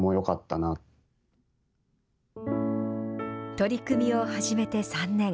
取り組みを始めて３年。